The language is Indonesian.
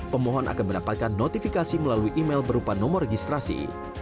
pemohon akan mendapatkan notifikasi melalui email berupa nomor registrasi